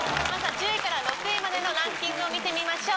１０位から６位までのランキングを見てみましょう。